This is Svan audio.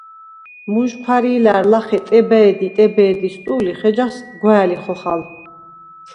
მუჟჴვარი̄ლა̈რ ლახე “ტებე̄დი, ტებე̄დის” ტუ̄ლიხ, ეჯას გვა̄̈ლი ხოხალ.